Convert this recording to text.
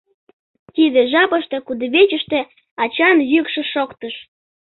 Тиде жапыште кудывечыште ачан йӱкшӧ шоктыш.